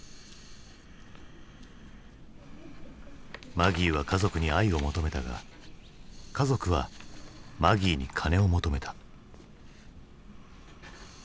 マギーは家族に愛を求めたが家族はマギーに金を求めた。